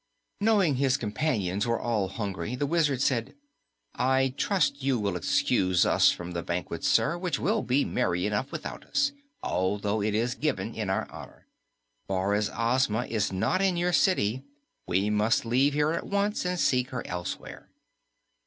Knowing his companions were all hungry, the Wizard said, "I trust you will excuse us from the banquet, sir, which will be merry enough without us, although it is given in our honor. For, as Ozma is not in your city, we must leave here at once and seek her elsewhere."